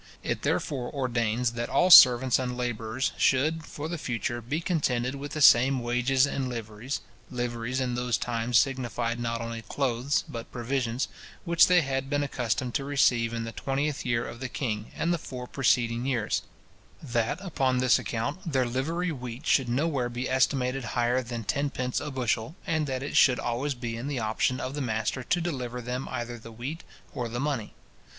It therefore ordains, that all servants and labourers should, for the future, be contented with the same wages and liveries (liveries in those times signified not only clothes, but provisions) which they had been accustomed to receive in the 20th year of the king, and the four preceding years; that, upon this account, their livery wheat should nowhere be estimated higher than tenpence a bushel, and that it should always be in the option of the master to deliver them either the wheat or the money.